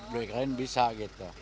dikirain bisa gitu